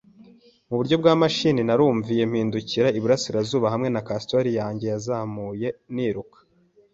Muburyo bwa mashini, narumviye, mpindukirira iburasirazuba, hamwe na kasitori yanjye yazamuye, niruka